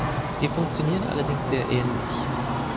Sie funktionieren allerdings sehr ähnlich.